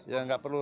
ya nggak perlu